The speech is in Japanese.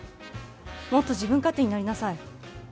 もっと自分勝手になりなさい。